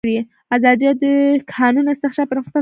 ازادي راډیو د د کانونو استخراج پرمختګ سنجولی.